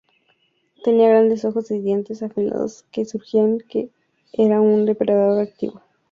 Tenía grandes ojos y dientes afilados que sugerían que era un depredador activo.